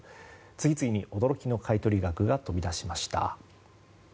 次々に驚きの買い取り額が飛び出しました。